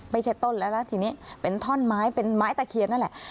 ไม่ใช่ต้นแล้วนะทีนี้เป็นท่อนไม้เป็นไม้ตะเคียนนั่นแหละ